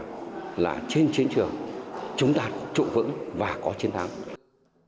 ngoại truyền thống và ngoại truyền thống trong giai đoạn ai ba